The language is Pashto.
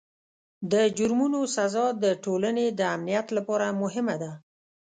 د جرمونو سزا د ټولنې د امنیت لپاره مهمه ده.